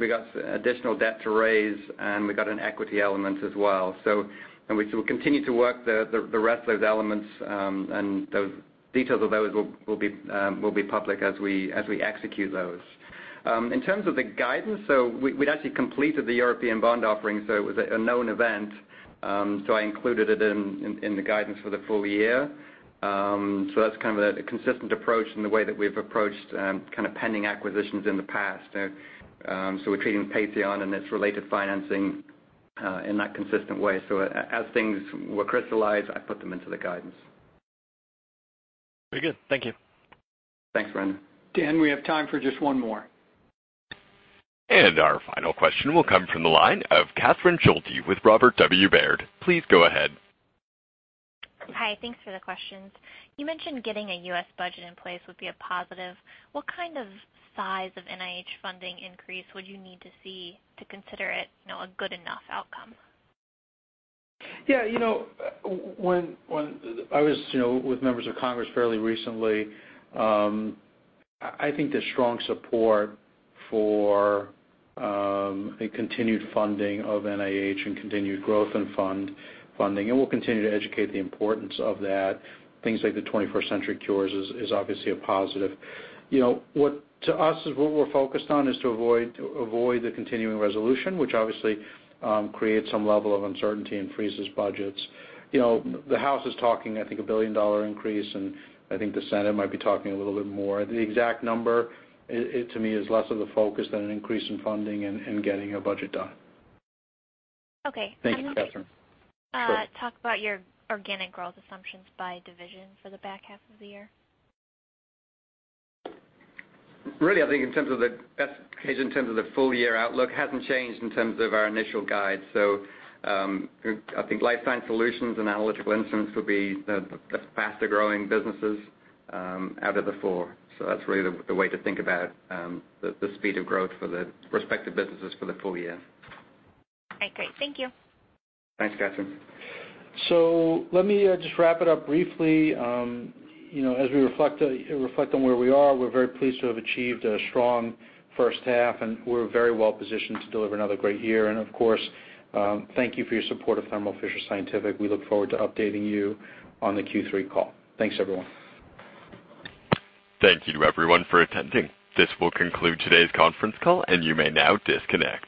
We got additional debt to raise, and we got an equity element as well. We will continue to work the rest of those elements, and the details of those will be public as we execute those. In terms of the guidance, we'd actually completed the European bond offering, so it was a known event, so I included it in the guidance for the full year. That's kind of a consistent approach in the way that we've approached kind of pending acquisitions in the past. We're treating Patheon and its related financing in that consistent way. As things were crystallized, I put them into the guidance. Very good. Thank you. Thanks, Brandon. Dan, we have time for just one more. Our final question will come from the line of Catherine Schulte with Robert W. Baird. Please go ahead. Hi. Thanks for the questions. You mentioned getting a U.S. budget in place would be a positive. What kind of size of NIH funding increase would you need to see to consider it a good enough outcome? I was with members of Congress fairly recently. I think there's strong support for a continued funding of NIH and continued growth in funding, we'll continue to educate the importance of that. Things like the 21st Century Cures is obviously a positive. To us, what we're focused on is to avoid the continuing resolution, which obviously creates some level of uncertainty and freezes budgets. The House is talking, I think, a $1 billion increase, I think the Senate might be talking a little bit more. The exact number, to me, is less of a focus than an increase in funding and getting a budget done. Okay. Thank you, Catherine. Can you talk about your organic growth assumptions by division for the back half of the year? Really, I think in terms of the full-year outlook, it hasn't changed in terms of our initial guide. I think Life Sciences Solutions and Analytical Instruments will be the faster-growing businesses out of the four. That's really the way to think about the speed of growth for the respective businesses for the full year. Okay, great. Thank you. Thanks, Catherine. Let me just wrap it up briefly. As we reflect on where we are, we're very pleased to have achieved a strong first half, we're very well positioned to deliver another great year, of course, thank you for your support of Thermo Fisher Scientific. We look forward to updating you on the Q3 call. Thanks, everyone. Thank you to everyone for attending. This will conclude today's conference call, and you may now disconnect.